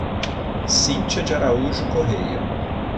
Cinthia de Araújo Correa